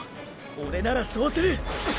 オレならそうする！！